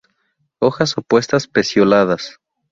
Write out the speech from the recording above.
Hojas opuestas; pecioladas.